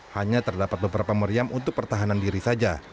hanya terdapat beberapa meriam untuk pertahanan diri saja